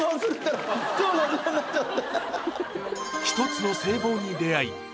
一つの制帽に出会い